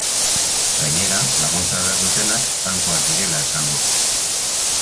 Gainera, laguntza behar dutenak bankuak direla esan du.